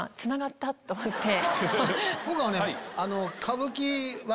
僕はね。